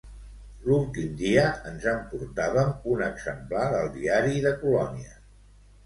L'últim dia ens emportàvem un exemplar del diari de colònies